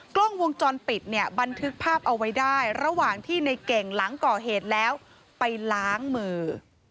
กล้องวงจรปิดเนี่ยบันทึกภาพเอาไว้ได้ระหว่างที่ในเก่งหลังก่อเหตุแล้วไปล้างมือ